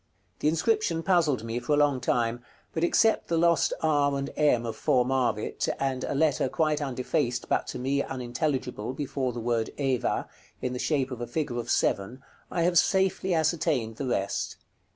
The inscription puzzled me for a long time; but except the lost r and m of "formavit," and a letter quite undefaced, but to me unintelligible, before the word Eva, in the shape of a figure of 7, I have safely ascertained the rest.